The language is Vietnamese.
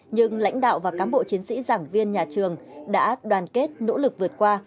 nhưng lãnh đạo và cám bộ chiến sĩ giảng viên nhà trường đã đoàn kết nỗ lực vượt qua